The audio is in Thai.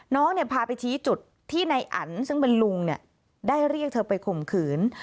น้องพาไปชี้จุดที่นายอันซึ่งเป็นลุงได้เรียกเธอไปข่มขืน